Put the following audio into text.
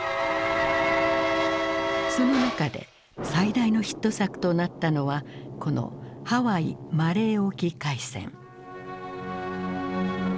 その中で最大のヒット作となったのはこの「ハワイ・マレー沖海戦」。